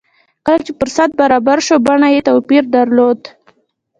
کله چې فرصت برابر شو بڼه يې توپير درلود.